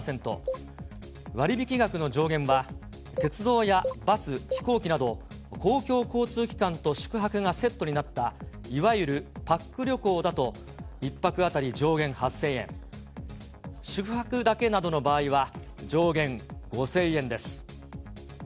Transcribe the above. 割引額の上限は、鉄道やバス、飛行機など、公共交通機関と宿泊がセットになったいわゆるパック旅行だと、１泊当たり上限８０００円、宿泊だけなどの場合は上限５０００円です。